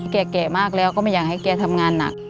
แก่แก่มากแล้วก็ไม่อยากให้แกทำงานหนัก